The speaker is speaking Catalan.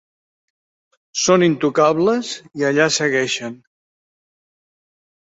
Són intocables i allà segueixen.